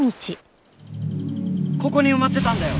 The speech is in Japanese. ここに埋まってたんだよ。